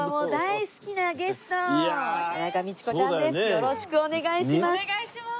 よろしくお願いします。